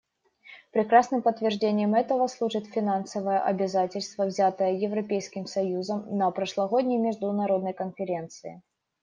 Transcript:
Прекрасным подтверждением этого служит финансовое обязательство, взятое Европейским союзом на прошлогодней международной конференции.